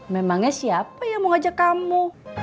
memangnya siapa yang mau ngajak kamu